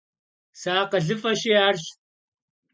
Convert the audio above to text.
СыакъылыфӀэщи, арщ.